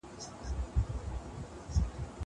زه به سبا د کتابتون د کار مرسته وکړم!